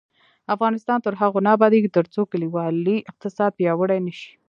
افغانستان تر هغو نه ابادیږي، ترڅو کلیوالي اقتصاد پیاوړی نشي.